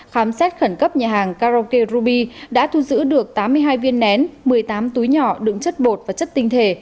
khám xét khẩn cấp nhà hàng karaoke ruby đã thu giữ được tám mươi hai viên nén một mươi tám túi nhỏ đựng chất bột và chất tinh thể